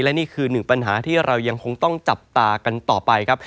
และนี่คือหนึ่งปัญหาที่เรายังคงต้องจับตากันต่อไปครับ